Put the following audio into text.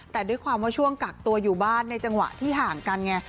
แต่ด้วยความว่าช่วงกักตัวอยู่บ้านในจังหวะที่ห่างกันไง